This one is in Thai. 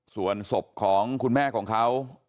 ส่วนศพของคุณแม่ของเขา